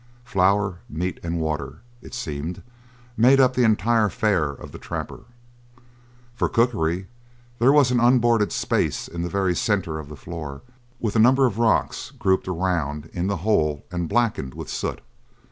Flour, meat, and water, it seemed, made up the entire fare of the trapper. For cookery there was an unboarded space in the very centre of the floor with a number of rocks grouped around in the hole and blackened with soot.